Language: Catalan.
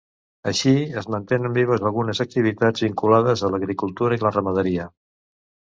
Així, es mantenen vives algunes activitats vinculades a l'agricultura i la ramaderia.